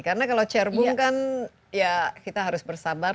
karena kalau cerbung kan ya kita harus bersabar